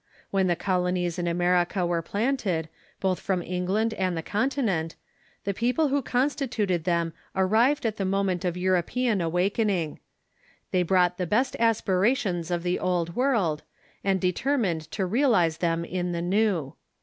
When the colonies in America were planted, both from England and the Continent, the people who consti tuted them arrived at the moment of European awakening. They brought the best aspirations of the Old World, and de termined to realize them in the New.